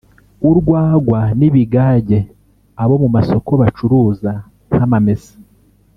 urwagwa n’ibigage abo mu masoko bacuruza nk’amamesa